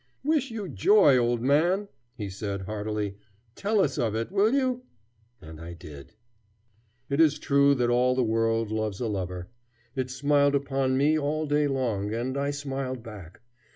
"Wish you joy, old man," he said heartily. "Tell us of it, will you?" And I did. It is true that all the world loves a lover. It smiled upon me all day long, and I smiled back.